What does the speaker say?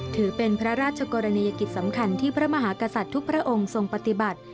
ถือเป็นพระราชกรณียกิจสำคัญที่พระมหากษัตริย์ทุกพระองค์ทรงปฏิบัติ